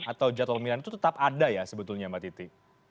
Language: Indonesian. atau jadwal pemilihan itu tetap ada ya sebetulnya mbak titi